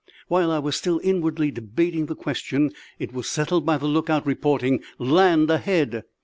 While I was still inwardly debating the question it was settled by the lookout reporting land ahead!